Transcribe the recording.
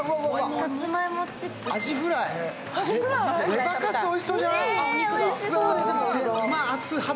レバカツおいしそうじゃない？